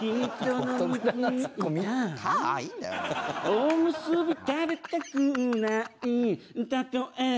「おむすび食べたくない」「たとえＡｈ」